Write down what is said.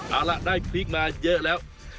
เอาล่ะได้พริกมาเยอะแล้ว